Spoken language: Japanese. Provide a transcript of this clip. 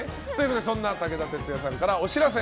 そんな武田鉄矢さんからお知らせ。